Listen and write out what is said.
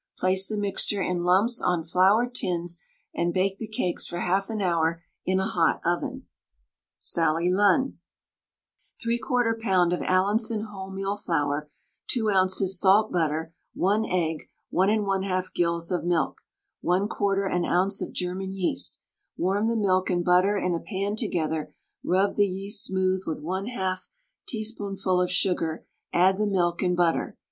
Place the mixture in lumps on floured tins, and bake the cakes for half an hour in a hot oven. SALLY LUNN. 3/4 of lb. of Allinson wholemeal flour, 2 oz. salt butter, 1 egg, 1 1/2 gills of milk, 1/4 an ounce of German yeast. Warm the milk and butter in a pan together, rub the yeast smooth with 1/2 a teaspoonful of sugar, add the milk and butter.